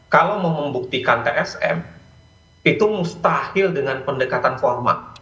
kalau mau membuktikan tsm itu mustahil dengan pendekatan format